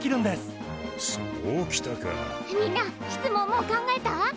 みんな質問もう考えた？